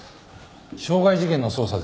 傷害事件の捜査です。